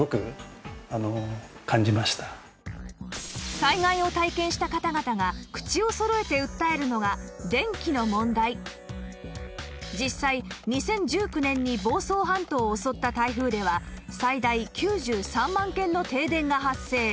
災害を体験した方々が口をそろえて訴えるのが実際２０１９年に房総半島を襲った台風では最大９３万軒の停電が発生